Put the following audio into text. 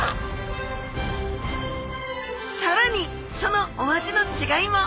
さらにそのお味の違いも！